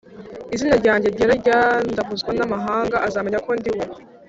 izina ryanjye ryera ryandavuzwa n amahanga azamenya ko ndi we